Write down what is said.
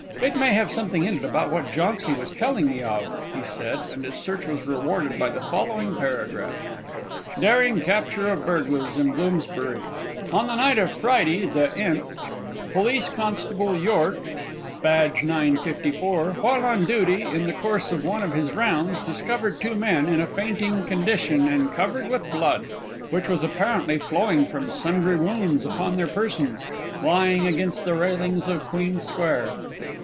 "It may have something in it about what Jauncy was telling me of," he said; and his search was rewarded by the following paragraph: "DARING CAPTURE OF BURGLARS IN BLOOMSBURY. On the night of Friday, the th, Police constable Yorke, B 954, while on duty, in the course of one of his rounds, discovered two men, in a fainting condition and covered with blood, which was apparently flowing from sundry wounds upon their persons, lying against the railings of Queen Square.